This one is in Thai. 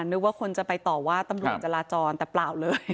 นึกว่าคนจะไปต่อว่าตำรวจจราจรแต่เปล่าเลย